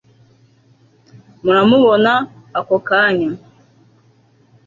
muramubona ako kanya